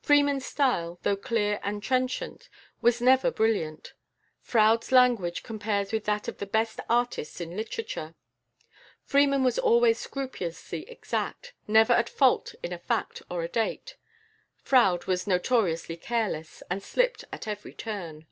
Freeman's style, though clear and trenchant, was never brilliant; Froude's language compares with that of the best artists in literature. Freeman was always scrupulously exact, never at fault in a fact or a date; Froude was notoriously careless, and slipped at every turn.